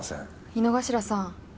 井之頭さん。